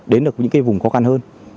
đến được những cái vùng khó khăn hơn